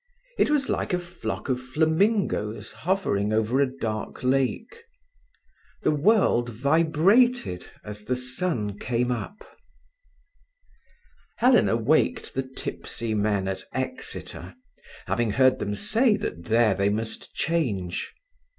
It was like a flock of flamingoes hovering over a dark lake. The world vibrated as the sun came up. Helena waked the tipsy men at Exeter, having heard them say that there they must change.